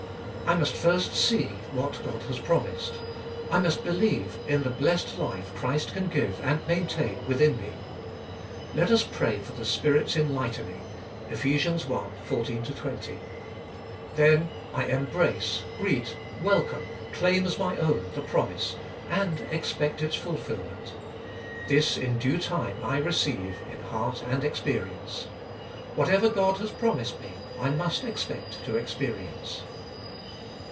I must first see what God has promised. I must belieue In the blessed life Christ can give and maintain within me. Let us pray for the Spirit's enlighten ing (Eph. i. 14 20). Then I embrace, greet, welcome, claim as my own the promise, and expect its fulfilment. This in due time I receive, in heart and experience. Whatever God has promised me I must expect to experience.